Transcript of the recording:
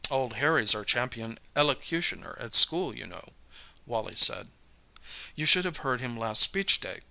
"Old Harry's our champion elocutioner at school, you know," Wally said. "You should have heard him last Speech Day!